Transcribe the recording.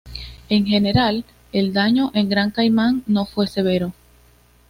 En general, el daño en Gran Caimán no fue severo.